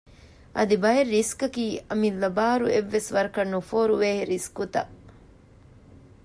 އަދި ބައެއް ރިސްކަކީ އަމިއްލަ ބާރު އެއްވެސް ވަރަކަށް ނުފޯރުވޭ ރިސްކުތައް